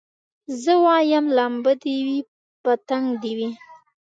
زه وايم لمبه دي وي پتنګ دي وي